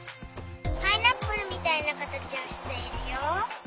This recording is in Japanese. パイナップルみたいなかたちをしているよ。